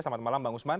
selamat malam bang usman